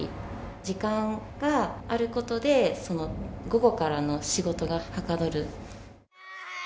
時間があることで、午後からの仕事がはかどる。